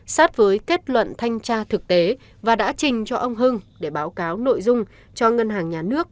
sát với kết luận thanh tra thực tế và đã trình cho ông hưng để báo cáo nội dung cho ngân hàng nhà nước